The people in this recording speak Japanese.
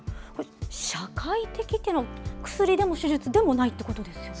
社会的っていうの、薬でも手術でもないということですよね。